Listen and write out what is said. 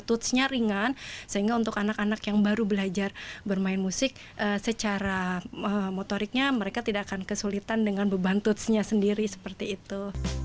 tootsnya ringan sehingga untuk anak anak yang baru belajar bermain musik secara motoriknya mereka tidak akan kesulitan dengan beban tootsnya sendiri seperti itu